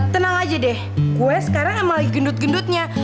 tenang aja deh gue sekarang emang lagi gendut gendutnya